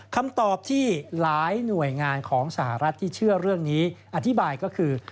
คำตอบที่หลายหน่วยงานของสหรัฐที่เชื่อเรื่องนี้อธิบายก็คือ